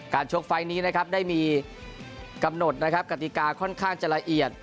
การโชคไฟล์นี้ได้มีกำหนดกฎิกาค่อนข้างจะละเอียด